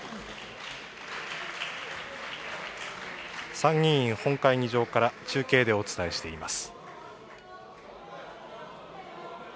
参議院本会議場から中継でお伝えしています。